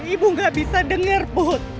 ibu gak bisa denger bu